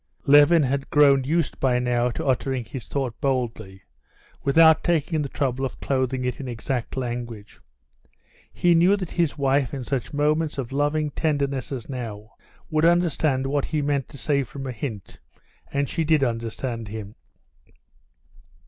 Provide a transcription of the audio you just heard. Levin had grown used by now to uttering his thought boldly, without taking the trouble of clothing it in exact language. He knew that his wife, in such moments of loving tenderness as now, would understand what he meant to say from a hint, and she did understand him.